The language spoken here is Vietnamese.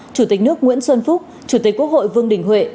chủ tịch nước nguyễn xuân phúc chủ tịch quốc hội vương đình huệ